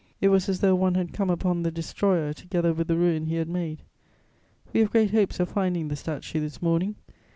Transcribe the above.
It was as though one had come upon the destroyer together with the ruin he had made; we have great hopes of finding the statue this morning.